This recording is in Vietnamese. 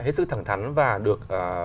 hết sức thẳng thắn và được